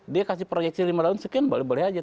dia kasih proyeksi lima tahun sekian boleh boleh aja